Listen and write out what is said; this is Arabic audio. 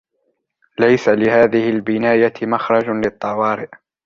ليس لهذه البناية مخرج للطوارئ.